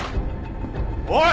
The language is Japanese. おい！